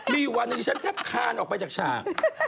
นี่วันนี้ฉันแทบคานออกไปจากฉาก